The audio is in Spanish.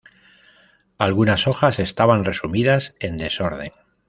Algunas hojas estaban resumidas en desorden.